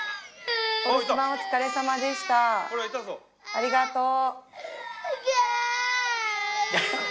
ありがとう。